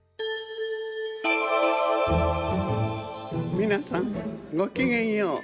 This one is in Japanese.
みなさんごきげんよう。